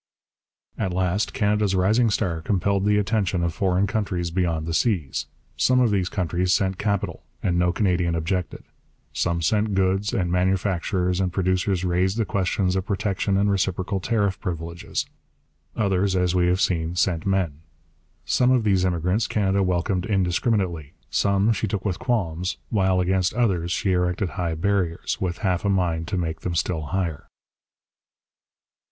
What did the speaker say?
At last, Canada's rising star compelled the attention of foreign countries beyond the seas. Some of these countries sent capital, and no Canadian objected. Some sent goods, and manufacturers and producers raised the questions of protection and reciprocal tariff privileges. Others, as we have seen, sent men. Some of these immigrants Canada welcomed indiscriminately, some she took with qualms, while against others she erected high barriers, with half a mind to make them still higher.